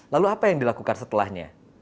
lalu apa yang dilakukan setelahnya